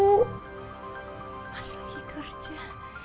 mas lagi kerja